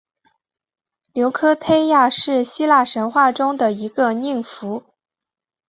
琉科忒亚是希腊神话中一个宁芙。